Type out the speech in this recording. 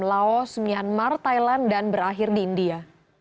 laos myanmar thailand dan berakhir di india